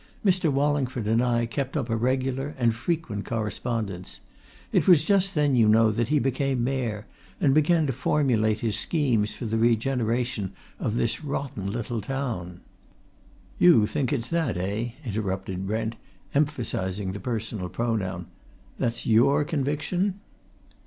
Mr. Wallingford and I kept up a regular, and frequent, correspondence: it was just then, you know, that he became Mayor, and began to formulate his schemes for the regeneration of this rotten little town " "You think it's that, eh?" interrupted Brent, emphasizing the personal pronoun. "That's your conviction?"